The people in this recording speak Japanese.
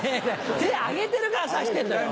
手挙げてるから指してんだよ。